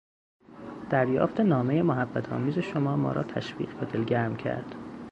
دریافت نامهٔ محبت آمیز شما ما را تشویق و دلگرم کرد.